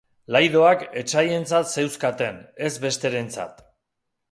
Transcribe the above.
Laidoak etsaientzat zeuzkaten, ez besterentzat.